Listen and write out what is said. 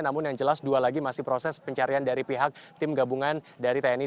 namun yang jelas dua lagi masih proses pencarian dari pihak tim gabungan dari tni